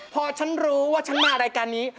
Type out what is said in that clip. พอฉันรู้ว่าฉันมารายการนี้